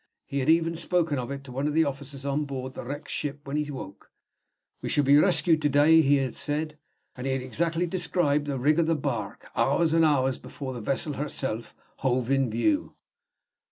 He had even spoken of it to one of the officers on board the wrecked ship when he woke. 'We shall be rescued to day,' he had said; and he had exactly described the rig of the bark hours and hours before the vessel herself hove in view.